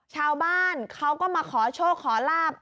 ชาวบ้านเขาก็มาขอโชคขอลาบ